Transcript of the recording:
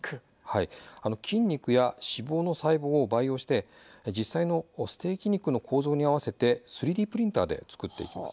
筋肉や脂肪の細胞を培養して実際のステーキ肉の構造に合わせて３Ｄプリンターで作っています。